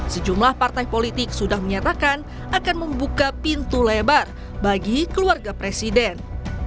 sejumlah partai politik sudah menyatakan akan membuka pintu lebar bagi keluarga presiden